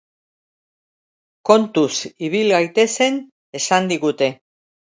Kontuz ibil gaitezen esan digute.